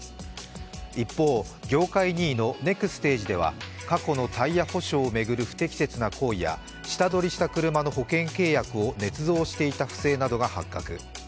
一方、業界２位のネクステージでは過去のタイヤ保証を巡る不適切な行為や下取りした車の保険契約をねつ造していた不正などが発覚。